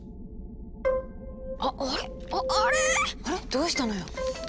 どうしたのよ。